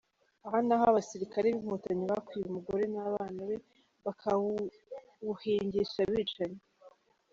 Aha ni naho Abasirikare b’Inkotanyi bakuye umugore n’abana be bakawuhungisha abicanyi.